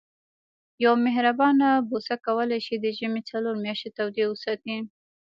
یوه مهربانه بوسه کولای شي د ژمي څلور میاشتې تودې وساتي.